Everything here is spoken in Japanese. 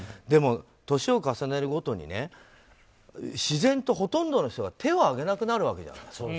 でも、年を重ねるごとに自然とほとんどの人が手をあげなくなるわけ。